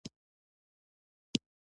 د تېر جنګ مالي لګښت اوولس میلیونه پونډه وو.